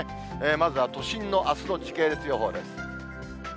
まずは都心のあすの時系列予報です。